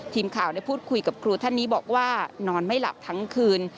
ทีมข่าวได้พูดคุยกับครูท่านนี้บอกว่านอนไม่หลับทั้งคืน